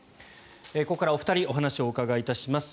ここからお二人にお話をお伺いいたします。